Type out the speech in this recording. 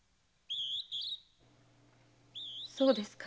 そうですか。